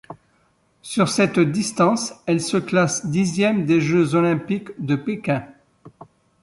Sur cette distance, elle se classe dixième des Jeux olympiques de Pékin.